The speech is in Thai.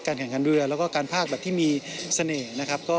แข่งขันเรือแล้วก็การภาคแบบที่มีเสน่ห์นะครับ